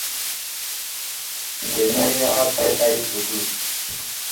Kɛnɛg yaga pɛ a esuklu.